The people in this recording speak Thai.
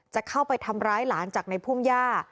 จะเข้าไปทำร้ายหลานจากในพุ่มย่า